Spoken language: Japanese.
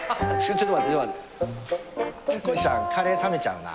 ちょっと待って。